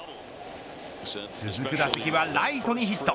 続く打席はライトにヒット。